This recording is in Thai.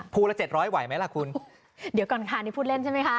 ละเจ็ดร้อยไหวไหมล่ะคุณเดี๋ยวก่อนค่ะนี่พูดเล่นใช่ไหมคะ